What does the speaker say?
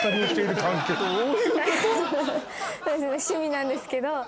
趣味なんですけど。